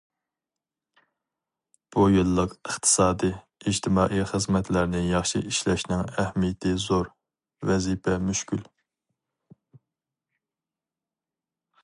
بۇ يىللىق ئىقتىسادىي، ئىجتىمائىي خىزمەتلەرنى ياخشى ئىشلەشنىڭ ئەھمىيىتى زور، ۋەزىپە مۈشكۈل.